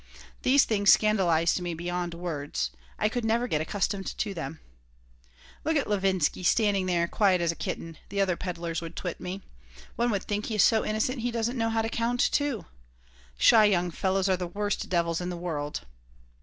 These things scandalized me beyond words. I could never get accustomed to them "Look at Levinsky standing there quiet as a kitten," the other peddlers would twit me. "One would think he is so innocent he doesn't know how to count two. Shy young fellows are the worst devils in the world."